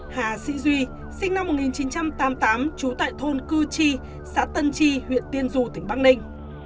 hà sĩ duy sinh năm một nghìn chín trăm tám mươi tám trú tại thôn cư chi xã tân tri huyện tiên du tỉnh bắc ninh